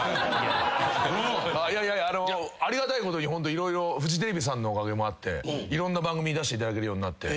ありがたいことにホント色々フジテレビさんのおかげもあっていろんな番組に出していただけるようになって。